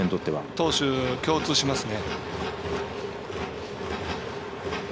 投手、共通しますね。